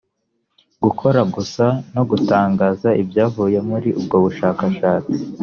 gukora rgs no gutangaza ibyavuye muri ubwo bushakashatsi